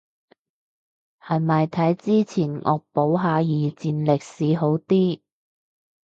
係咪睇之前惡補下二戰歷史好啲